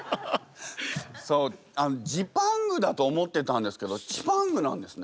そうジパングだと思ってたんですけどチパングなんですね。